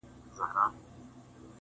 د هوا نه یې مرګ غواړه قاسم یاره-